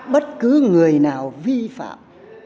bất cứ người nào vi phạm